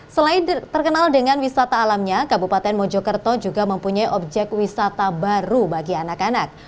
selain terkenal dengan wisata alamnya kabupaten mojokerto juga mempunyai objek wisata baru bagi anak anak